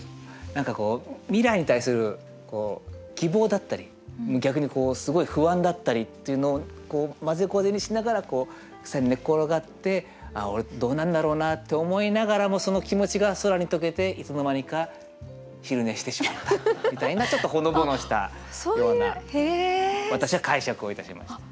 何かこう未来に対する希望だったり逆にこうすごい不安だったりというのをこうまぜこぜにしながら草に寝っ転がって「ああ俺どうなんだろうな」って思いながらもその気持ちが空に溶けていつの間にか昼寝してしまったみたいなちょっとほのぼのしたような私は解釈をいたしました。